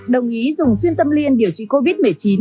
đồng ý dùng xuyên tâm liên điều trị covid một mươi chín